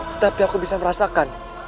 tetapi aku bisa merasakan